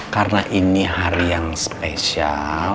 karena ini hari yang spesial